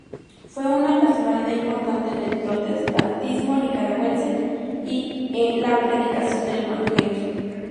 Fue una personalidad importante en el Protestantismo Nicaragüense y en la predicación del Evangelio.